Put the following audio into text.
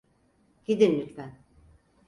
Gidin lütfen.